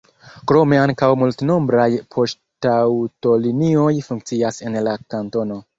Krome ankaŭ multnombraj poŝtaŭtolinioj funkcias en la kantono.